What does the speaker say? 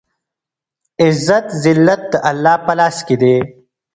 عزت ذلت دالله په لاس کې دی